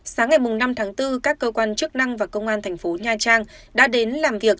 sáng ngày năm tháng bốn các cơ quan chức năng và công an thành phố nha trang đã đến làm việc